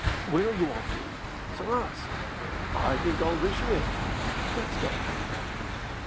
"Where are you off to?" "Sarras." "I think I'll race you in," said Scott.